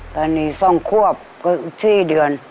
ตอนนี้สองครอบก็สี่เดือน